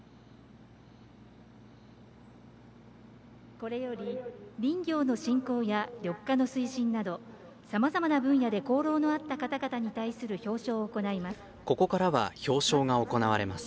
これより、林業の振興や緑化の推進などさまざまな分野で功労のあった方々に対する表彰を行います。